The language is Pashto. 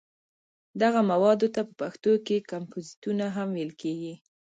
دغه موادو ته په پښتو کې کمپوزیتونه هم ویل کېږي.